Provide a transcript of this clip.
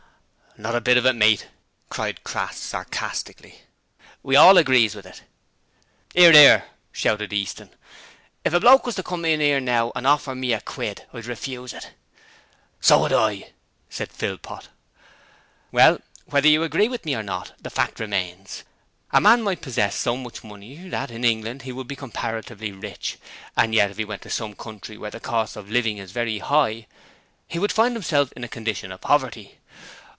'Not a bit of it, mate,' cried Crass, sarcastically. 'We all agrees with it.' ''Ear, 'ear,' shouted Easton. 'If a bloke was to come in 'ere now and orfer to give me a quid I'd refuse it!' 'So would I,' said Philpot. 'Well, whether you agree or not, the fact remains. A man might possess so much money that, in England, he would be comparatively rich, and yet if he went to some country where the cost of living is very high he would find himself in a condition of poverty.